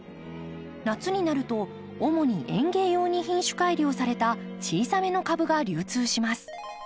夏になると主に園芸用に品種改良された小さめの株が流通します。